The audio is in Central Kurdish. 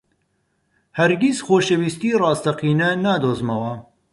هەرگیز خۆشەویستیی ڕاستەقینە نادۆزمەوە.